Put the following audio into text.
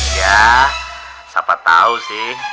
ya siapa tau sih